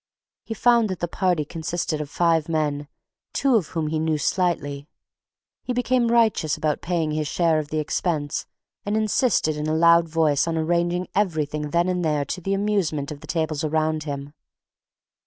He found that the party consisted of five men, two of whom he knew slightly; he became righteous about paying his share of the expense and insisted in a loud voice on arranging everything then and there to the amusement of the tables around him....